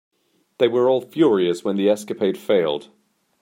They were all furious when the escapade failed.